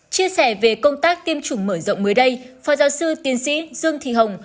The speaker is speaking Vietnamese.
chia sẻ về công tác tiêm chủng mở rộng mới đây phó giáo sư tiến sĩ dương thị hồng